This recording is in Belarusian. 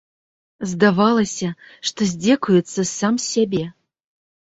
Здавалася, што здзекуецца сам з сябе.